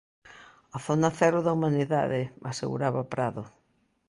"A zona cero da humanidade", aseguraba Prado.